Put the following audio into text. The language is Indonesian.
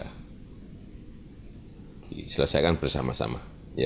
jadi selesaikan bersama sama